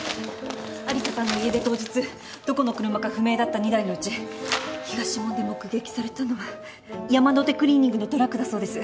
有沙さんの家出当日どこの車か不明だった２台のうち東門で目撃されたのはヤマノテクリーニングのトラックだそうです。